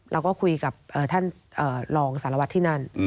เราก็คุยกับท่านรองสารวัตรที่นั่น